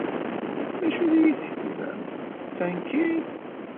D acu ay iyi-tḥesbemt, d tankirt?